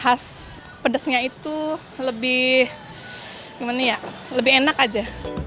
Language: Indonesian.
khas pedesnya itu lebih gimana ya lebih enak aja